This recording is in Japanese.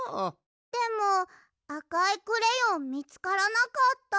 でもあかいクレヨンみつからなかった。